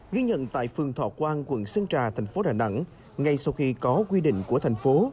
ghi nhận tại phường thọ quang quận sơn trà thành phố đà nẵng ngay sau khi có quy định của thành phố